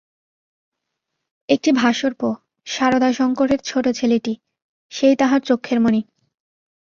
একটি ভাশুরপো, শারদাশংকরের ছোটো ছেলেটি, সেই তাহার চক্ষের মণি।